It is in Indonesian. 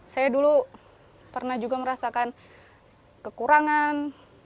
saya dulu pernah juga merasakan kekurangan